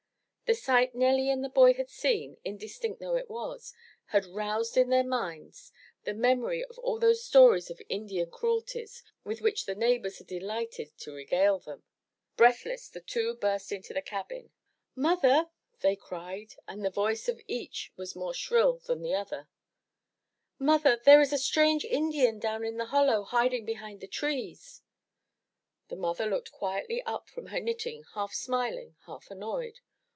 The sight Nelly and the boy had seen, indistinct though it was, had roused in their minds the memory of all those stories of Indian cruelties, with which the neighbors had delighted to regale them. Breathless, the two burst into the cabin. "Mother," they cried and the voice of each was more shrill 364 THE TREASURE CHEST than the other, ''Mother, there is a strange Indian down in the hollow hiding behind the trees/' The mother looked quietly up from her knitting, half smiling, half annoyed.